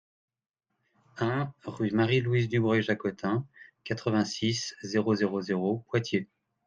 un rUE MARIE-LOUISE DUBREUIL-JACOTIN, quatre-vingt-six, zéro zéro zéro, Poitiers